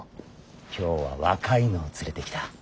今日は若いのを連れてきた。